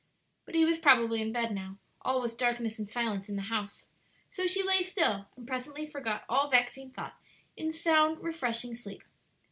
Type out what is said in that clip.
But he was probably in bed now; all was darkness and silence in the house; so she lay still, and presently forgot all vexing thought in sound, refreshing sleep.